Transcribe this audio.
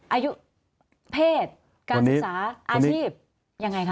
อายุเพศการศึกษาอาชีพยังไงคะ